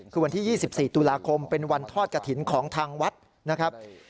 คือวันที่๒๔ตุลาคมเป็นวันทอดกระถิ่นของทางวัดนะครับ